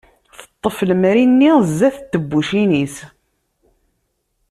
Teṭṭef lemri-nni sdat n tebbucin-is.